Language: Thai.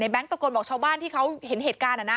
ในแบงค์ตะโกนบอกชาวบ้านที่เขาเห็นเหตุการณ์อะนะ